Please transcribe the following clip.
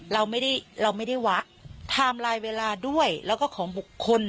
เราไม่ได้เราไม่ได้วะไทม์ไลน์เวลาด้วยแล้วก็ของบุคคล